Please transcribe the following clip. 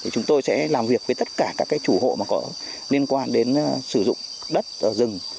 chúng tôi sẽ làm việc với tất cả các chủ hộ có liên quan đến sử dụng đất rừng